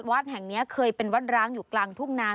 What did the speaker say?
วัดแห่งนี้เคยเป็นวัดร้างอยู่กลางทุ่งนา